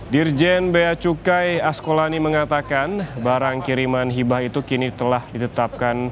dirjen bea cukai askolani mengatakan barang kiriman hibah itu kini telah ditetapkan